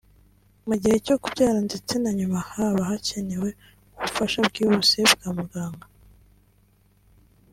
mu gihe cyo kubyara ndetse na nyuma haba hakenewe ubufasha bwihuse bwa muganga